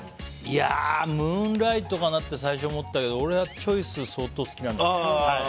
いやあムーンライトかなって最初、思ったけど俺はチョイス相当好きなんですよ。